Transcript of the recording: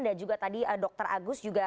dan juga tadi dr agus juga